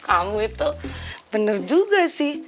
kamu itu bener juga sih